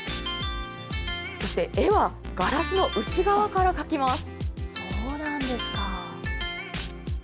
そして絵はガラスの内側から描きます。